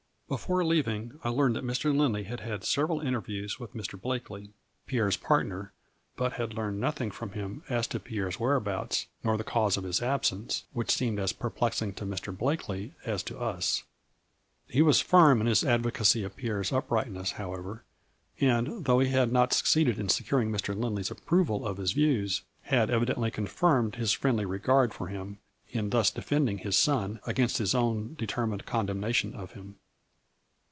Before leaving I learned that Mr. Lindley had had several interviews with Mr. Blakely, Pierre's partner, but had learned nothing from him as to Pierre's whereabouts, nor the cause of his absence, which seemed as perplex ing to Mr. Blakely as to us. He was firm in his advocacy of Pierre's uprightness, however, and, A FLURRY IN DIAMONDS. 159 though he had not succeeded in securing Mr. Lindley's approval of his views, had evidently confirmed his friendly regard for him, in thus defending his son against his own determined condemnation of him.